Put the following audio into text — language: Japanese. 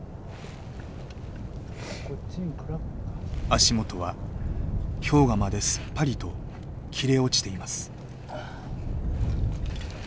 足もとは氷河までスッパリと切れ落ちています。